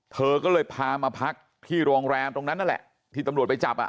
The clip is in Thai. เธอก็เลยพามาพักที่โรงแรมตรงนั้นนั่นแหละที่ตำรวจไปจับอ่ะ